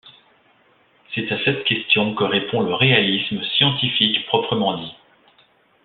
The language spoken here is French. C'est à cette question que répond le réalisme scientifique proprement dit.